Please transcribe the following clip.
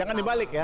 jangan dibalik ya